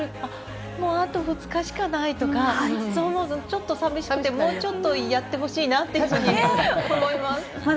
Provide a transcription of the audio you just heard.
もうあと２日しかないとかそう思うとちょっと寂しくてもうちょっと、やってほしいなというふうに思います。